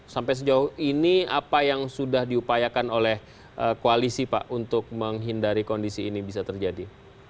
sampai sejauh ini apa yang sudah diupayakan oleh koalisi pak untuk menghindari kondisi ini bisa terjadi